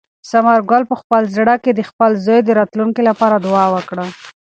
ثمر ګل په خپل زړه کې د خپل زوی د راتلونکي لپاره دعا وکړه.